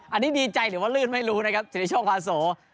อันนี้ดีใจหรือว่าลื่นไม่รู้นะครับสิทธิโชคพาโส